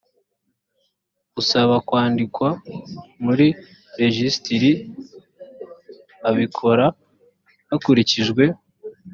usaba kwandikwa muri rejisitiri abikora hakurikijwe